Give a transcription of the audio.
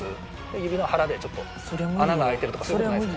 指の腹でちょっと穴が開いてるとかそういう事ないですか？